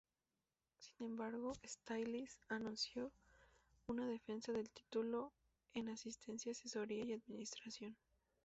Sin embargo, Styles anunció una defensa del título en Asistencia Asesoría y Administración.